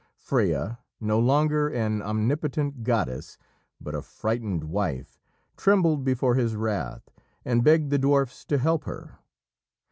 Freya, no longer an omnipotent goddess, but a frightened wife, trembled before his wrath, and begged the dwarfs to help her.